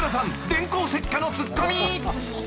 電光石火のツッコミ］